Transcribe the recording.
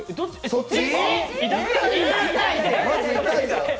そっち！？